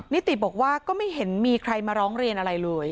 นิติบอกว่าก็ไม่เห็นมีใครมาร้องเรียนอะไรเลย